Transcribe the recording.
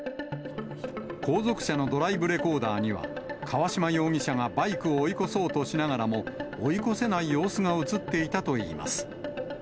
後続車のドライブレコーダーには、川島容疑者がバイクを追い越そうとしながらも、追い越せない様子が写っていたといいます。